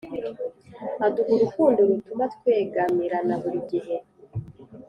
aduha urukundo rutuma twegamirana buri gihe